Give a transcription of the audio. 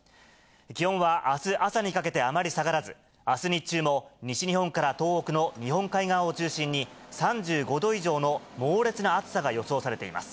気温はあす朝にかけてあまり下がらず、あす日中も、西日本から東北の日本海側を中心に、３５度以上の猛烈な暑さが予想されています。